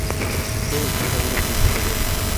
Se espera un aumento mayor.